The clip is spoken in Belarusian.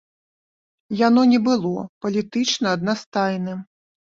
Яно не было палітычна аднастайным.